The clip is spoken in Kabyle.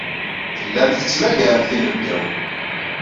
Tellamt tettmagaremt inebgawen.